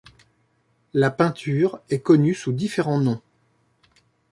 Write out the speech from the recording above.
La peinture est connue sous différents noms.